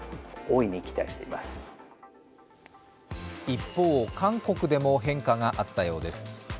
一方、韓国でも変化があったようです。